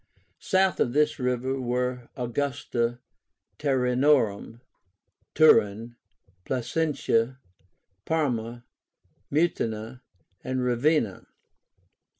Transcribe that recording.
South of this river were Augusta Taurinórum (Turin), Placentia, Parma, Mutina, and Ravenna.